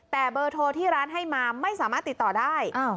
แต่เบอร์โทรที่ร้านให้มาไม่สามารถติดต่อได้